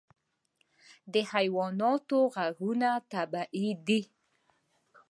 د حیواناتو غږونه طبیعي دي.